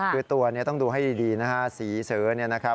คือตัวนี้ต้องดูให้ดีนะฮะสีเสอเนี่ยนะครับ